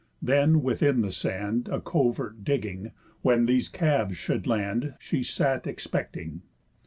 Then, within the sand A covert digging, when these calves should land, She sat expecting.